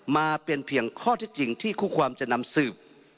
มาเป็นเพียงข้อเท็จจริงที่คู่ความจะนำสืบ